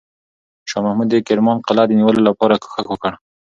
شاه محمود د کرمان قلعه د نیولو لپاره کوښښ وکړ.